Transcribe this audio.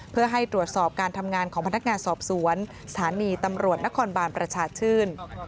เพื่อให้ตรวจสอบการทำงานของพนักงานสอบสวนสถานีตำรวจนครบานประชาชื่น